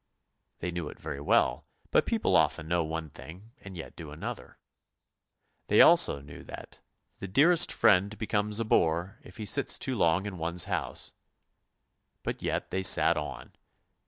They knew it very well, but people often know one thing and yet do another. They also knew that " the dearest friend becomes a bore if he sits too long in one's house! " but yet they sat on.